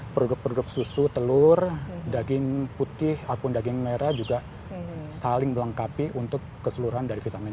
produk produk susu telur daging putih ataupun daging merah juga saling melengkapi untuk keseluruhan dari vitamin